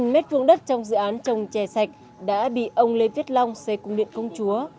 chín m vuông đất trong dự án trồng chè sạch đã bị ông lê viết long xây cung điện công chúa